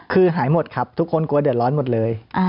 คือหายหมดครับทุกคนกลัวเดือดร้อนหมดเลย